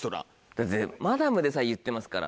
だってマダムでさえ言ってますから。